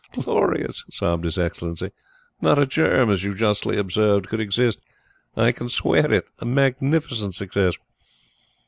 Glorious!" sobbed his Excellency. "Not a germ, as you justly observe, could exist! I can swear it. A magnificent success!"